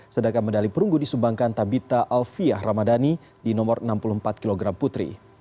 sedangkan medali perunggu disumbangkan tabita alfiah ramadhani di nomor enam puluh empat kg putri